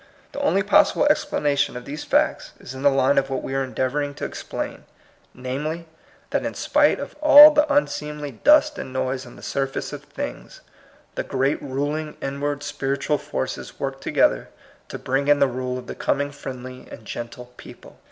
The only possible explanation of these facts is in the line of what we are endeavoring to CERTAIN CLEAR FACTS, 27 explain, namely, that in spite of all the unseemly dust and noise on the surface of things, the great ruling, inward, spiritual forces work together to bring in the rule of the coming friendly and gentle people.